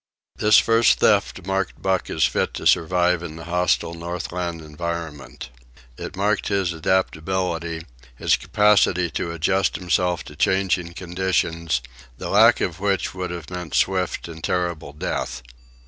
This first theft marked Buck as fit to survive in the hostile Northland environment. It marked his adaptability, his capacity to adjust himself to changing conditions, the lack of which would have meant swift and terrible death.